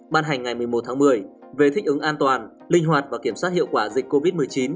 ban hành ngày một mươi một tháng một mươi về thích ứng an toàn linh hoạt và kiểm soát hiệu quả dịch covid một mươi chín